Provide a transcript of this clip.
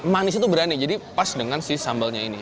manis itu berani jadi pas dengan si sambalnya ini